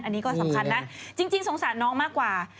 อันนี้ก็สำคัญนะจริงสงสารน้องมากกว่า